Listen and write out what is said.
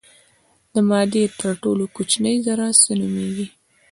د مادې تر ټولو کوچنۍ ذره څه نومیږي.